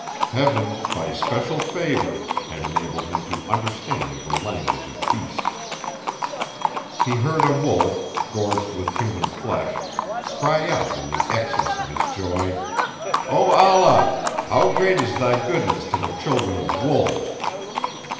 Heaven, by special favour, had enabled him to understand the language of beasts. He heard a wolf, gorged with human flesh, cry out in the excess of his joy: "O Allah! how great is thy goodness to the children of wolves.